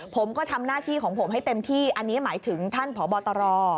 ผมก็ทำหน้าที่ของผมให้เต็มที่อันนี้หมายถึงท่านพบตร